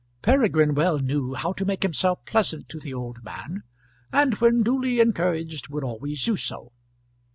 Peregrine well knew how to make himself pleasant to the old man, and when duly encouraged would always do so.